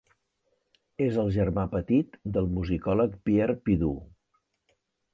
És el germà petit del musicòleg Pierre Pidoux.